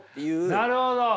なるほど。